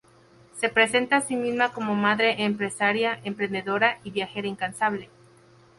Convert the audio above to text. Se presenta a sí misma como madre, empresaria, emprendedora y viajera incansable.